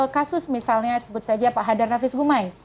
kasus misalnya sebut saja pak hadar nafis gumai